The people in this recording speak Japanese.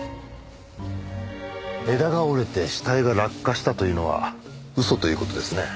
枝が折れて死体が落下したというのは嘘という事ですね。